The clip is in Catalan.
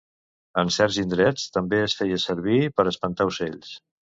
En certs indrets, també es feia servir per espantar ocells.